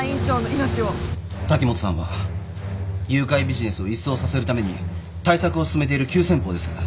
滝本さんは誘拐ビジネスを一掃させるために対策を進めている急先鋒です。